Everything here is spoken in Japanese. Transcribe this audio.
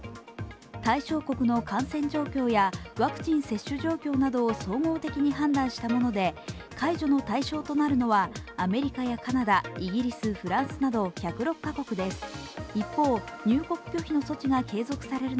対象国の感染状況やワクチン接種状況などを総合的に判断したもので解除の対象となるのはアメリカやカナダ、イギリス、フランスなど１０６カ国です。